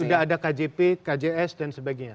sudah ada kjp kjs dan sebagainya